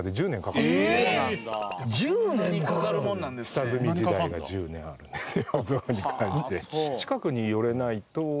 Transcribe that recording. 下積み時代が１０年あるんですよ